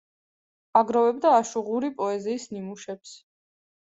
აგროვებდა აშუღური პოეზიის ნიმუშებს.